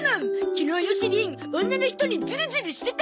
昨日ヨシりん女の人にズルズルしてた！